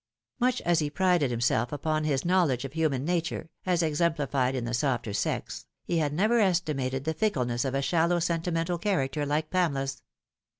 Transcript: Much as he prided himself upon his knowledge of human nature, as exemplified in the softer sex, he had never estimated the fickleness of a shallow sentimental character like Pamela's.